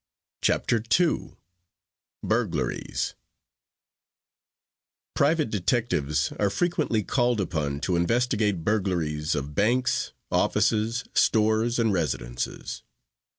CHAPTER II BURGLARIES Private detectives are frequently called upon to investigate burglaries of banks, offices, stores and residences.